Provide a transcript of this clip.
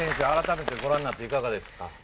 改めてご覧になっていかがですか？